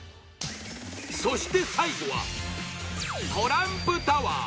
そして最後は、トランプタワー。